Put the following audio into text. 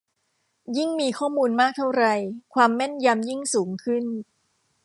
ยิ่งมีข้อมูลมากเท่าไร ความแม่นยำยิ่งสูงขึ้น